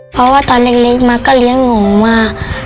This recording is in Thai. เพราะว่าตอนเล็กมาก็เลี้ยงหนูมา